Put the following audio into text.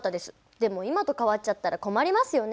でも今と変わっちゃったら困りますよね。